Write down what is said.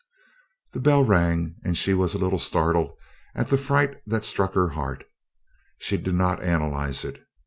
The bell rang, and she was a little startled at the fright that struck her heart. She did not analyze it.